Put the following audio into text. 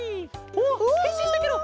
おっへんしんしたケロ！